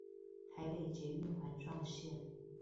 台北捷運環狀線